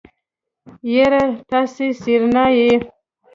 يره تاسې سېرېنا يئ.